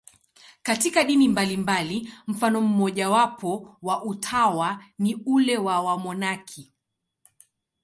Katika dini mbalimbali, mfano mmojawapo wa utawa ni ule wa wamonaki.